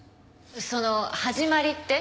その「始まり」って？